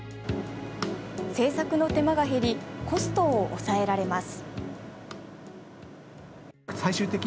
製作の手間が減りコストを抑えられます。